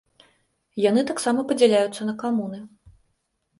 Яны таксама падзяляюцца на камуны.